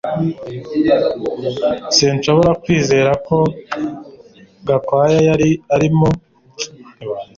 Sinshobora kwizera ko Gakwaya yari arimo